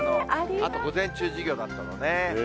あと午前中、授業だったのね。